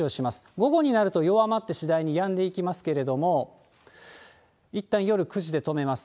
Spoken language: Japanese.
午後になると弱まって、次第にやんでいきますけれども、いったん夜９時で止めます。